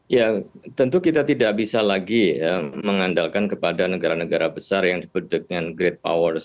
ya tentu kita tidak bisa lagi mengandalkan kepada negara negara besar yang disebut dengan great powers